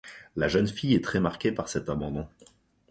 La jeune fille est très marquée par cet abandon.